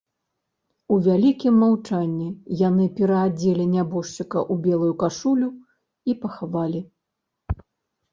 У вялікім маўчанні яны пераадзелі нябожчыка ў белую кашулю і пахавалі.